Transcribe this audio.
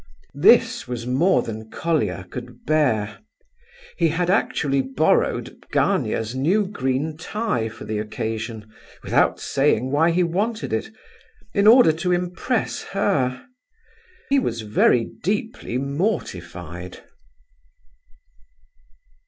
This was more than Colia could bear. He had actually borrowed Gania's new green tie for the occasion, without saying why he wanted it, in order to impress her. He was very deeply mortified.